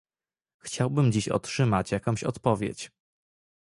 Chciałabym dziś otrzymać jakąś odpowiedź